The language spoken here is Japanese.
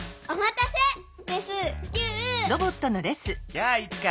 やあイチカ！